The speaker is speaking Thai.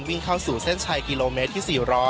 วิ่งเข้าสู่เส้นชัยกิโลเมตรที่๔๐๐